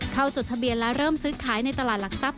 จดทะเบียนและเริ่มซื้อขายในตลาดหลักทรัพย